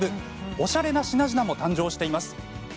おしゃれな品々も誕生しています。